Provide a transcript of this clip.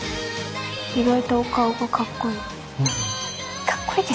意外と顔がかっこいい。